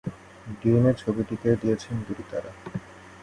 DNA ছবিটিকে দিয়েছেন দুটি তারা।